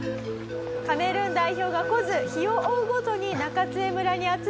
カメルーン代表が来ず日を追うごとに中津江村に集まる報道陣。